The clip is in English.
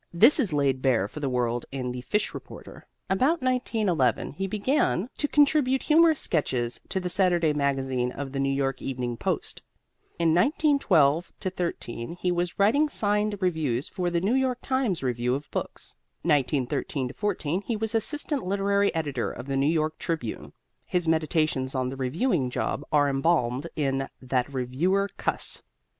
This is laid bare for the world in "The Fish Reporter." About 1911 he began to contribute humorous sketches to the Saturday Magazine of the New York Evening Post. In 1912 13 he was writing signed reviews for the New York Times Review of Books. 1913 14 he was assistant literary editor of the New York Tribune. His meditations on the reviewing job are embalmed in "That Reviewer Cuss."